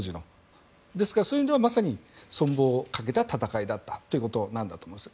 ですから、そういう意味ではまさに存亡をかけた戦いということだったと思います。